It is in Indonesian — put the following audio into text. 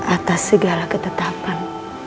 atas segala ketetapan